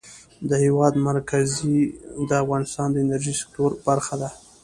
د هېواد مرکز د افغانستان د انرژۍ سکتور برخه ده.